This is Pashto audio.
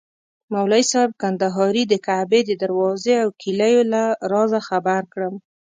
مولوي صاحب کندهاري د کعبې د دروازې او کیلیو له رازه خبر کړم.